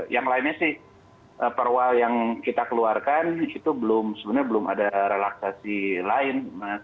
yang lainnya sih perwa yang kita keluarkan itu sebenarnya belum ada relaksasi lain